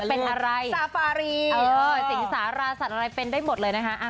เป็นอะไรสาฟารีสิงสาราสัตว์อะไรเป็นได้หมดเลยนะคะ